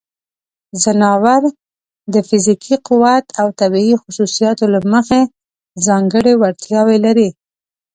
ځناور د فزیکي قوت او طبیعی خصوصیاتو له مخې ځانګړې وړتیاوې لري.